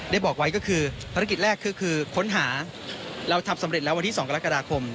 บอกไว้ก็คือภารกิจแรกคือค้นหาเราทำสำเร็จแล้ววันที่๒กรกฎาคม